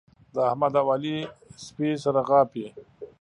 د احمد او علي سپي سره غاپي.